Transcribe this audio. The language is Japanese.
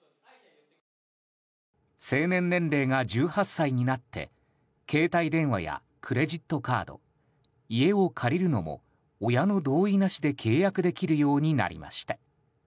成年年齢が１８歳になって携帯電話やクレジットカード家を借りるのも親の同意なしで契約できるようになりました。